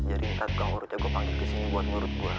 jadi ini kan tukang urutnya gue panggil kesini buat ngurut gue